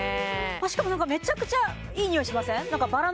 しかもめちゃくちゃいい匂いしません？